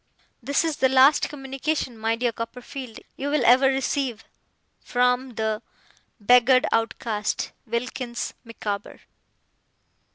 'This is the last communication, my dear Copperfield, you will ever receive 'From 'The 'Beggared Outcast, 'WILKINS MICAWBER.